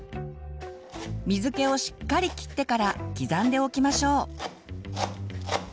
水けをしっかりきってから刻んでおきましょう。